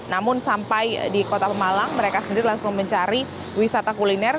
namun sampai di kota pemalang mereka sendiri langsung mencari wisata kuliner